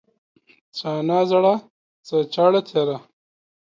څه انا زړه ، څه چاړه تيره.